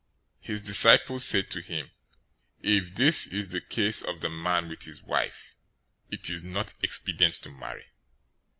019:010 His disciples said to him, "If this is the case of the man with his wife, it is not expedient to marry."